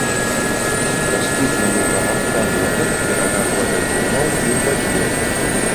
Растуць на лугах, балотах, берагах вадаёмаў і ў вадзе.